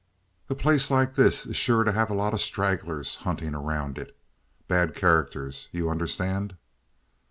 "A place like this is sure to have a lot of stragglers hunting around it. Bad characters. You understand?"